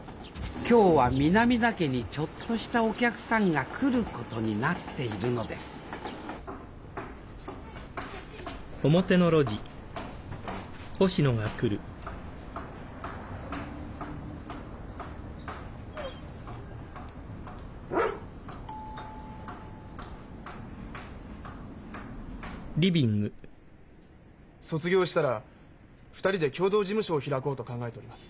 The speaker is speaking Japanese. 今日は南田家にちょっとしたお客さんが来ることになっているのです・卒業したら２人で共同事務所を開こうと考えております。